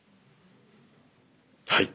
はい。